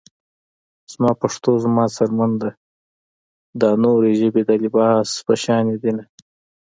زما پښتو زما څرمن ده - دا نورې ژبې د لباس په شاندې دينه